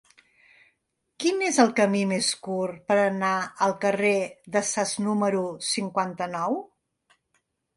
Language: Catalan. Quin és el camí més curt per anar al carrer de Sas número cinquanta-nou?